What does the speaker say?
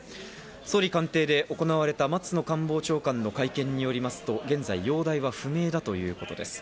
総理官邸で行われた松野官房長官の会見によりますと、現在容体は不明だということです。